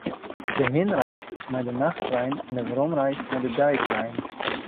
De hinnereis is mei de nachttrein en de weromreis mei de deitrein.